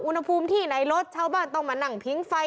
อุณหภูมิที่ไหนลดชาวบ้านต้องมานั่งพิงไฟ